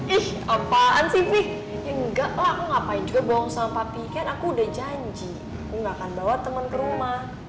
ih apaan sih fi ya enggak lah aku ngapain juga bohong sama papi kan aku udah janji aku gak akan bawa temen ke rumah